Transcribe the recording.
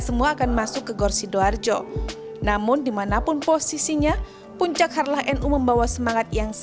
semua akan masuk ke gor sidoarjo namun dimanapun posisinya puncak harlah nu membawa semangat yang